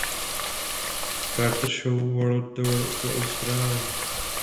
Carter Show World Tour po Austrálii.